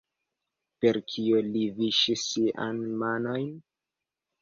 Per kio li viŝis siajn manojn?